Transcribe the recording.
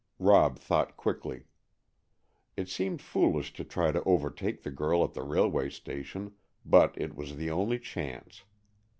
Rob thought quickly. It seemed foolish to try to overtake the girl at the railway station, but it was the only chance.